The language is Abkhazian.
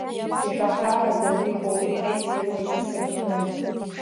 Ишаҳааӡаз иҟоуп, – иҳәеит Леуа иҽырҭынчӡаны.